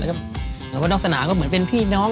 แล้วก็นอกสนามก็เหมือนเป็นพี่น้อง